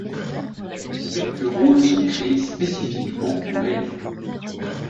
Quelques rôles sont créés spécifiquement pour elle.